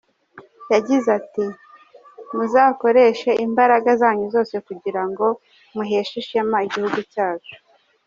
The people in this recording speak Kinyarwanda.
Yagize ati “Muzakoreshe imbaraga zanyu zose kugira ngo muheshe ishema igihugu cyacu.